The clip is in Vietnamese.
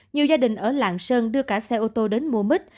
nhiều gia đình ở lạng sơn đưa cả xe ô tô đến mua mít